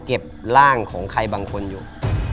เก็บร่างของใครบางคนอยู่